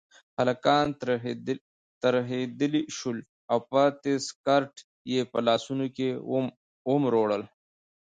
هلکان ترهېدلي شول او پاتې سګرټ یې په لاسونو کې ومروړل.